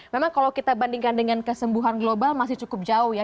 memang kalau kita bandingkan dengan kesembuhan global masih cukup jauh ya